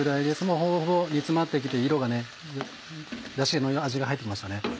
もうほぼほぼ煮詰まって来て色がダシの味が入って来ましたね。